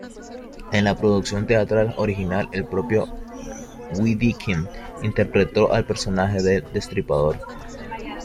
En la producción teatral original, el propio Wedekind interpretó al personaje del Destripador.